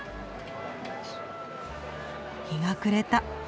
日が暮れた。